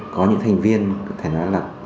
có những thành viên có thể nói là